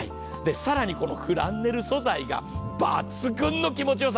更にフランネル素材が抜群の気持ちよさ。